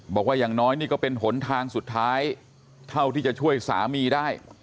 บอกว่าอย่างน้อยนี่ก็เป็นหนทางสุดท้ายเท่าที่จะช่วยสามีได้